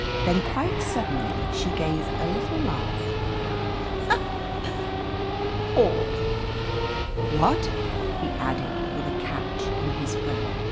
Then quite suddenly she gave a little laugh. "All." "What?" he added, with a catch in his breath.